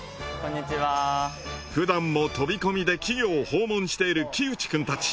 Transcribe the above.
ふだんも飛び込みで企業を訪問している木内くんたち。